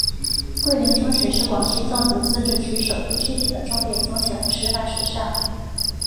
桂林中学是广西壮族自治区首批确定的重点中学和示范学校。